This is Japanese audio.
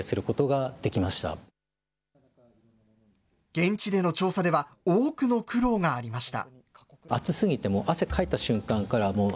現地での調査では、多くの苦労がありました。